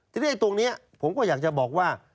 ทีนี้ตรงนี้ผมก็อยากจะบอกว่า